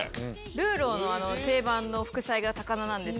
魯肉の定番の副菜が高菜なんです。